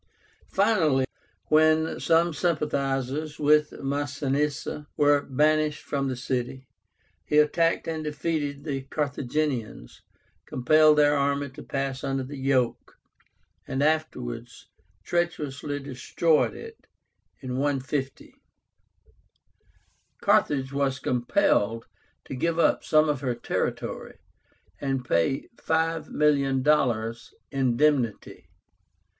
Finally, when some sympathizers with Masinissa were banished from the city, he attacked and defeated the Carthaginians, compelled their army to pass under the yoke, and afterwards treacherously destroyed it (150). Carthage was compelled to give up some of her territory, and pay $5,000,000 indemnity.